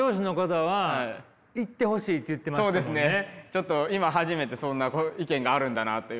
ちょっと今初めてそんな意見があるんだなという。